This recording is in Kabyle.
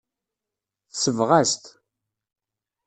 Tesbeɣ-as-t.